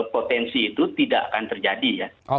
potensi itu tidak akan terjadi ya